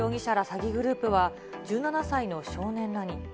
詐欺グループは、１７歳の少年らに。